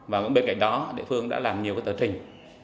và bên cạnh đó địa phương đã làm nhiều tờ trình